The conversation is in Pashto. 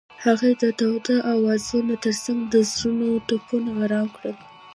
هغې د تاوده اوازونو ترڅنګ د زړونو ټپونه آرام کړل.